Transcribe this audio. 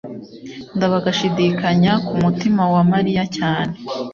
ndabaga ashidikanya ku mutima wa mariya cyane